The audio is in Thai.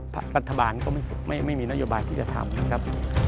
ปรัฐบาลก็ไม่มีนโยบายที่จะทำ